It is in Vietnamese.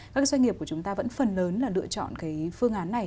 các cái doanh nghiệp của chúng ta vẫn phần lớn là lựa chọn cái phương án này